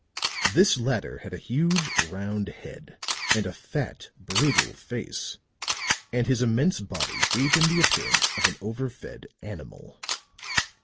This latter had a huge, round head and a fat, brutal face, and his immense body gave him the appearance of an overfed animal.